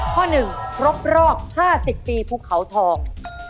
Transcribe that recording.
ข้อหนึ่งรบห้าสิบปีภูเขาทอง